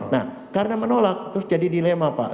nah karena menolak terus jadi dilema pak